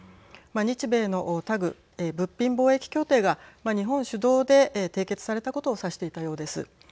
日米のＴＡＧ＝物品貿易協定が日本主導で締結されたことを指していたようです。